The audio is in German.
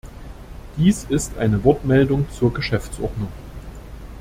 Dies ist eine Wortmeldung zur Geschäftsordnung.